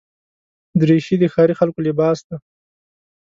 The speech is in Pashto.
دریشي د ښاري خلکو لباس دی.